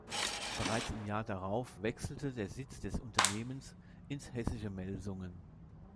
Bereits im Jahr darauf wechselte der Sitz des Unternehmens ins hessische Melsungen.